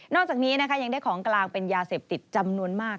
อกจากนี้นะคะยังได้ของกลางเป็นยาเสพติดจำนวนมาก